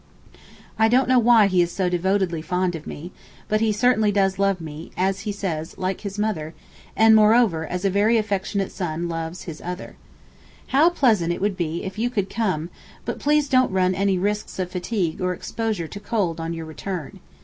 I don't know why he is so devotedly fond of me, but he certainly does love me as he says 'like his mother,' and moreover as a very affectionate son loves his other. How pleasant it would be if you could come—but please don't run any risks of fatigue or exposure to cold on your return.